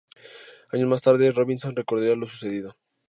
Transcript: Años más tarde, Robinson recordaría lo sucedido.